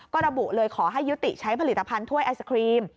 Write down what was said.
ก็ระบุเลยขอให้ยุติใช้ผลิตภัณฑ์ถ้วยไอศครีม